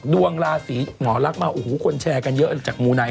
ดวงราศีหมอลักษ์มาโอ้โหคนแชร์กันเยอะจากมูไนท